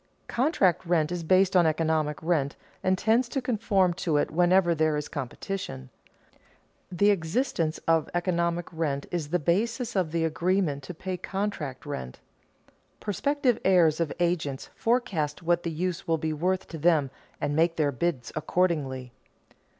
Contract rent is based on economic rent and tends to conform to it whenever there is competition. The existence of economic rent is the basis of the agreement to pay contract rent. Prospective hirers of agents forecast what the use will be worth to them and make their bids accordingly.